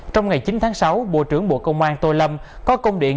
trong ngày chín tháng sáu bộ trưởng bộ công an tô lâm có công điện